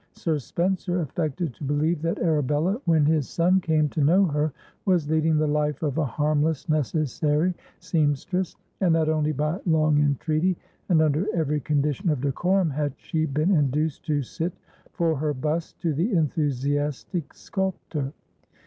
Sir Spencer affected to believe that Arabella, when his son came to know her, was leading the life of a harmless, necessary sempstress, and that only by long entreaty, and under every condition of decorum, had she been induced to sit for her bust to the enthusiastic sculptor.